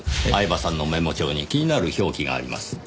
饗庭さんのメモ帳に気になる表記があります。